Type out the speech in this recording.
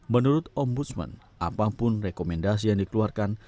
menurut ombudsman apapun rekomendasi yang dikeluarkan